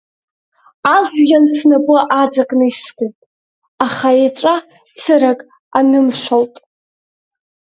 Ажәҩан снапы аҵакны искуп, аха еҵәа цыракгьы анымшәалт.